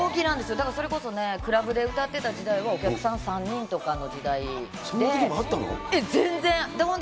だからそれこそね、クラブで歌ってた時代は、お客さん３人とかの時代で。